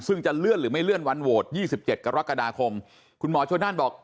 ซึ่งจะเลื่อนหรือไม่เลื่อนวันโหวตยี่สิบเจ็ดกรกฎาคมคุณหมอโชด้านบอก